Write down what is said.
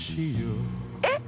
えっ！